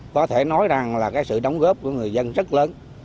có thể nói rằng là cái sự đóng góp của người dân rất lớn